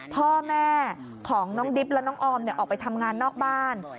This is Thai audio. พ่อแม่ของน้องดิบและน้องออมออกไปทำงานนอกบ้าน